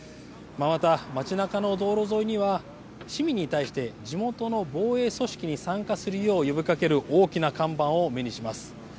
また、町なかの道路沿いには市民に対して地元の防衛組織に参加するよう呼びかける大きな看板を目にします。